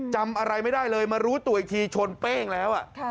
จำอะไรไม่ได้เลยมารู้ตัวอีกทีชนเป้งแล้ว